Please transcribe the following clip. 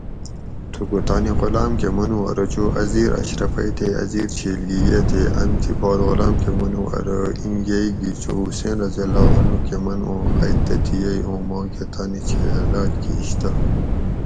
تھُکو تانی غلام کۤہ منو ارو چو اۤ زیر اشرفئ تے اۤ زیر چھیل گی یۤہ تے ان تھی باد غلام کۤہ منُو ارو اِیں یئ گی چو حُسین رضی اللّٰہ عنہُ کۤہ من اُوں ائ تتھیں یئ اُوں ماکۤہ تانی چھیل حلال کِیش تہ